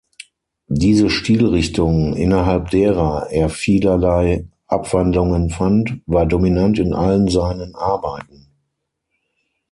Diese Stilrichtung innerhalb derer er vielerlei Abwandlungen fand, war dominant in allen seinen Arbeiten.